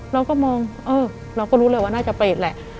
เราก็มองเออเราก็รู้เลยว่าน่าจะเปรตแหละ